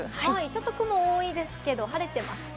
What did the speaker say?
雲が多いですけれども、晴れています。